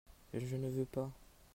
Je ne veux pas.